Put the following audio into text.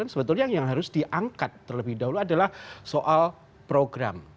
sebetulnya yang harus diangkat terlebih dahulu adalah soal program